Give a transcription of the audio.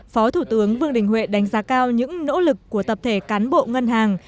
phó thủ tướng vương đình huệ đánh giá cao những nỗ lực của tập thể cán bộ ngân hàng